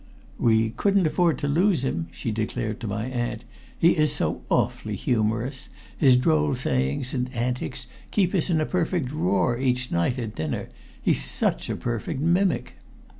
"We couldn't afford to lose him," she declared to my aunt. "He is so awfully humorous his droll sayings and antics keep us in a perfect roar each night at dinner. He's such a perfect mimic."